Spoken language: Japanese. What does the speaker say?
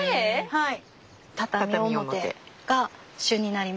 はい。